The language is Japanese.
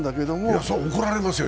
いや、日本は怒られますよ。